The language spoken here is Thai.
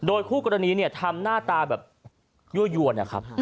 คู่กรณีเนี่ยทำหน้าตาแบบยั่วยวนนะครับ